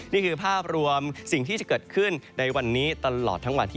นี่คือภาพรวมสิ่งที่จะเกิดขึ้นในวันนี้ตลอดทั้งวันที่